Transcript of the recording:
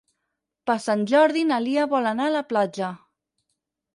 Per Sant Jordi na Lia vol anar a la platja.